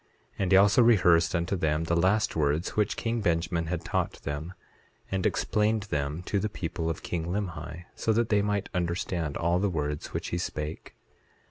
8:3 And he also rehearsed unto them the last words which king Benjamin had taught them, and explained them to the people of king Limhi, so that they might understand all the words which he spake.